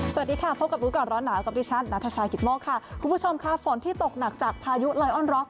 สวัสดีค่ะพบกับรู้ก่อนร้อนหนาวกับดิฉันนัทชายกิตโมกค่ะคุณผู้ชมค่ะฝนที่ตกหนักจากพายุไลออนร็อก